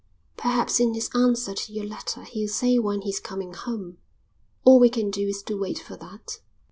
"Perhaps in his answer to your letter he'll say when he's coming home. All we can do is to wait for that."